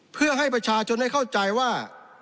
เพื่อให้ประชาชนได้เข้าใจว่า